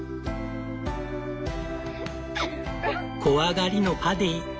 怖がりのパディ。